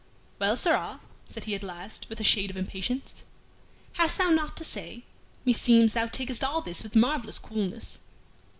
"Well, sirrah," said he at last, with a shade of impatience, "hast thou naught to say? Meseems thou takest all this with marvellous coolness."